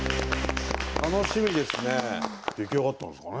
楽しみですね。